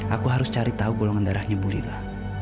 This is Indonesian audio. aku harus cari tahu golongan darahnya bulila